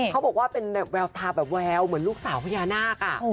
เขาบอกว่าเป็นแววตาแบบแววเหมือนลูกสาวพญานาค